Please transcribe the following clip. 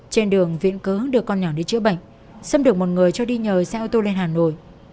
trên đường viễn cớ đưa con nhỏ đi chữa bệnh xâm được một người cho đi nhờ xe ô tô lên hà nội